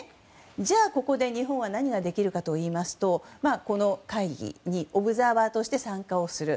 じゃあここで日本は何ができるかといいますとこの会議にオブザーバーとして参加をする。